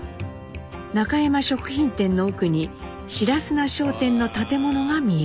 中山食品店の奥に白砂商店の建物が見えます。